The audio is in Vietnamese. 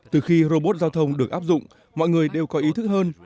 từ khi robot giao thông được áp dụng mọi người đều có ý thức hơn